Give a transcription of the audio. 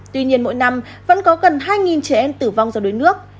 tuy nhiên mỗi năm vẫn có gần hai trẻ em tử vong do đuối nước